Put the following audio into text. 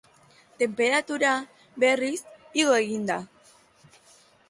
Tenperatura, berriz, igo egin da.